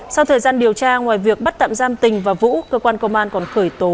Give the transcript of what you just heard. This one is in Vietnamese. sau thời gian điều tra ngoài việc bắt tạm giam tình và vũ cơ quan công an còn khởi tố